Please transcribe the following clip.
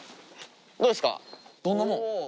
どうですか？